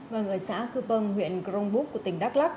và người xã cư pâng huyện crongbuk của tỉnh đắk lắc